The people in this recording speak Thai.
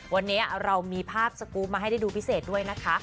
วันนี้เรามีภาพสกรูปมาให้ได้ดูพิเศษด้วยนะคะ